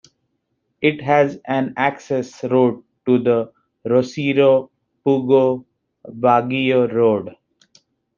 It has an access road to the Rosario-Pugo-Baguio Road.